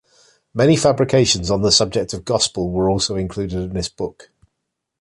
Many fabrications on the subject of Gospel were also included in this book.